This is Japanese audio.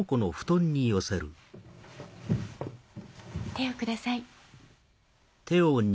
手をください。